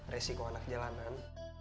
resiko anak jalanan